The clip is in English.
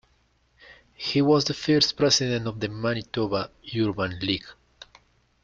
He was the first president of the Manitoba Urban League.